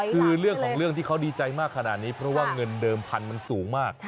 คือเรื่องของเรื่องที่เขาดีใจมากขนาดนี้เพราะว่าเงินเดิมพันธุ์มันสูงมาก